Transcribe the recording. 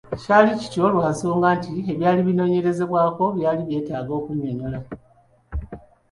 Kyali kityo lwa nsonga nti ebyali binoonyerezebwako byali byetaaga kunnyonnyola.